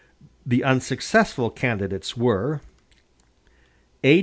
The unsuccessful candidates were: A.